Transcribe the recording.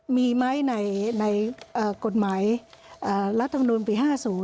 มีไหมในกฎหมายรัฐมนุนปี๕๐